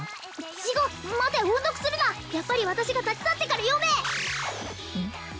違っ待て音読するなやっぱり私が立ち去ってから読めうんっ？